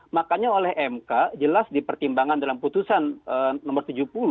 makanya oleh mk jelas dipertimbangkan dalam putusan nomor tujuh puluh